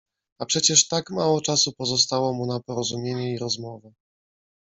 A przecież tak mało czasu pozostało mu na porozumienie i rozmowę.